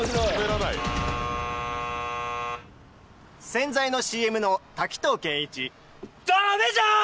洗剤のＣＭの滝藤賢一ダメじゃーん！